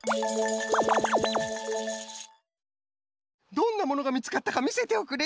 どんなものがみつかったかみせておくれ。